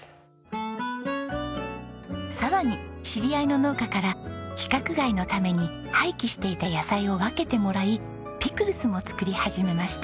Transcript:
さらに知り合いの農家から規格外のために廃棄していた野菜を分けてもらいピクルスも作り始めました。